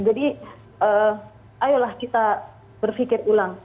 jadi ayolah kita berfikir ulang